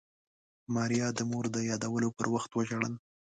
ماريا د مور د يادولو په وخت وژړل.